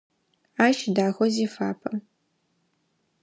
Ащ дахэу зефапэ.